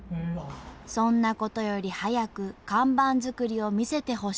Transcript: そんなことより早く看板作りを見せてほしい。